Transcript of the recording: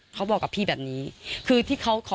เขาบอกกับพี่แบบนี้คือที่เขาขอ